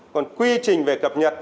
còn quy trình về cập nhật